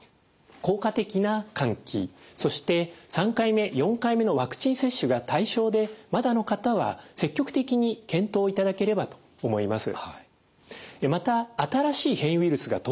効果的な換気そして３回目４回目のワクチン接種が対象でまだの方は積極的に検討いただければと思います。